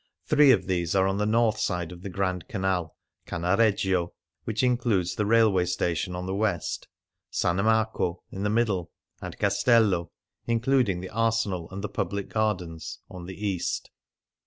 Three of these are on the north side of the Grand Canal : Cannareggio, which includes the railway station, on the west ; S. Marco in the middle, and Castello (including the Arsenal and the Public Gardens) on the east.